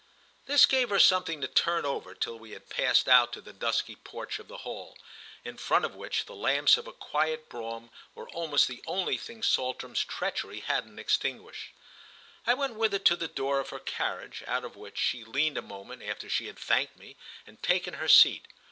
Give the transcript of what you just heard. This gave her something to turn over till we had passed out to the dusky porch of the hall, in front of which the lamps of a quiet brougham were almost the only thing Saltram's treachery hadn't extinguished. I went with her to the door of her carriage, out of which she leaned a moment after she had thanked me and taken her seat.